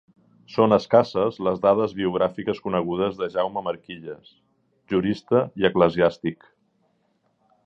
Són escasses les dades biogràfiques conegudes de Jaume Marquilles, jurista i eclesiàstic.